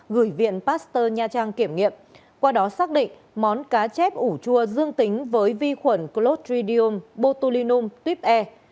gửi viện pasteur nha trang kiểm nghiệm qua đó xác định món cá chép ủ chua dương tính với vi khuẩn clostridium botulinum tuyp e